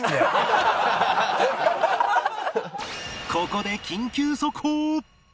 ここで緊急速報！